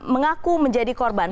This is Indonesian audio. mengaku menjadi korban